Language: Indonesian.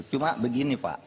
cuma begini pak